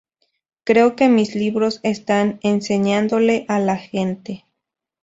Creo que mis libros están enseñándole a la gente.